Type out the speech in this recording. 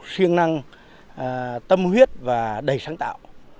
siêng năng tâm huyết và đầy sáng tạo